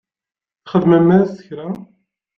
Txedmem-as kra?